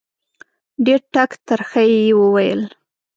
ډېر ټک ترخه یې وویل